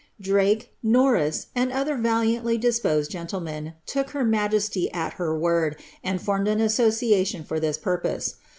''' Drake, Norris, and other valiantly disposed gentlemen, took her ugesty at her word, and formed an association for this purpose.